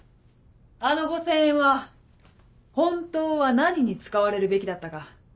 あの５０００円は本当は何に使われるべきだったか。